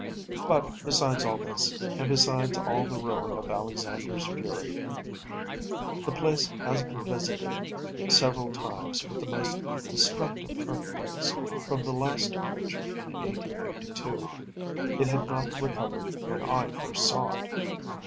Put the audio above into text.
But, besides all this, and besides all the ruin of Alexander’s fury, the place has been visited several times with the most destructive earthquakes, from the last of which (in 1852) it had not recovered when I first saw it.